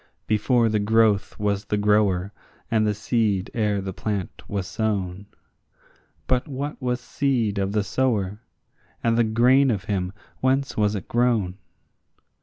Before the growth was the grower, and the seed ere the plant was sown; But what was seed of the sower? and the grain of him, whence was it grown?